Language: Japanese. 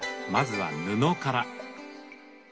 まずは布から。